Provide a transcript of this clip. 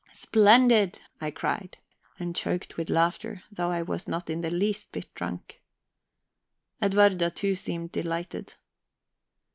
"Splendid!" I cried, and choked with laughter, though I was not in the least bit drunk. Edwarda too seemed delighted.